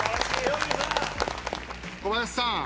小林さん